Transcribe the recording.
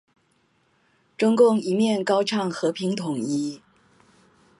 中共一面高唱和平統一